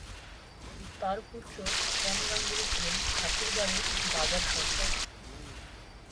তার পুত্র শ্যাম গাঙ্গুলি ছিলেন ঠাকুর বাড়ির বাজার সরকার।